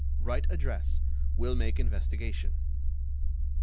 Write address. Will make investigation.